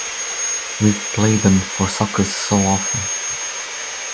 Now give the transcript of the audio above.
We've played 'em for suckers so often.